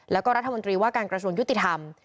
แล้วก็รัฐมนตรีว่าการกระทรวงยุติธรรม